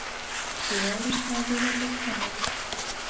• د واورې شپه ډېره روښانه وي.